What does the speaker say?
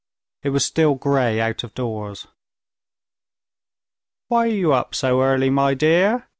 It was still gray out of doors. "Why are you up so early, my dear?"